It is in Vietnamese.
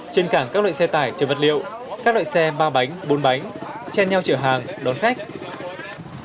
trên cảng các loại xe tải chở vật liệu các loại xe ba bánh bốn bánh cheo chở hàng đón khách